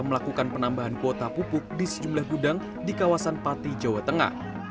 melakukan penambahan kuota pupuk di sejumlah gudang di kawasan pati jawa tengah